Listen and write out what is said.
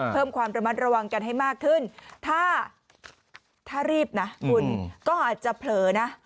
เพิ่มความระมัดระวังกันให้มากขึ้นถ้ารีบนะคุณก็อาจจะเผลอนะ